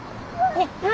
ねっ。